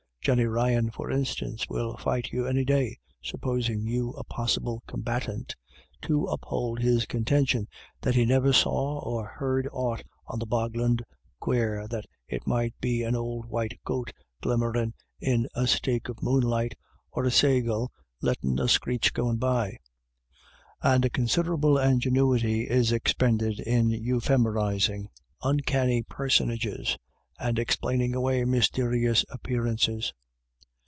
Johnny Ryan, for instance, will fight you any day — supposing you a possible combatant — to uphold his contention that 344 IRISH IDYLLS. he "niver saw or heard aught on the bogland quarer than it might be an ould white goat glim merin' in a strake of moonlight, or a saygull lettin' a screech goin' by." And considerable in genuity is expended in euhemerising uncanny per sonages, and explaining away mysterious appear ances.